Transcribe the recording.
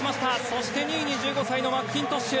そして２位に１５歳のマッキントッシュ。